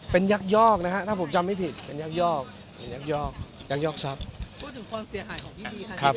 เป็นยักยอกนะฮะถ้าผมจำไม่ผิดเป็นยักยอกเป็นยักยอกยักยอกทรัพย์พูดถึงความเสียหายของพี่พีค่ะ